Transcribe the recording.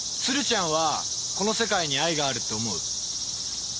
鶴ちゃんはこの世界に愛があるって思う？